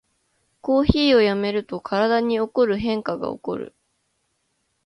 コーヒーをやめると体に起こる変化がおこる